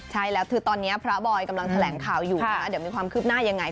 ใช่แล้วคือตอนนี้พระบอยกำลังแถลงข่าวอยู่นะเดี๋ยวมีความคืบหน้ายังไง